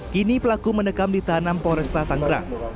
kini pelaku menekam di tanam poresta tanggerang